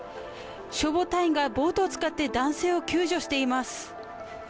消防隊員がボートを使って男性を救助しています。